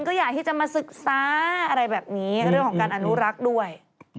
ก็อยากที่จะมาศึกษาอะไรแบบนี้เรื่องของการอนุรักษ์ด้วย